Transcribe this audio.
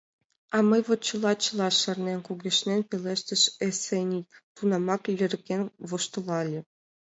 — А мый вот чыла-чыла шарнем, — кугешнен пелештыш Эсеней, тунамак льырген воштылале.